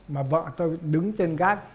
mà vợ tôi đứng trên gác